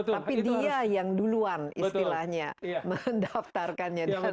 tapi dia yang duluan istilahnya mendaftarkannya dengan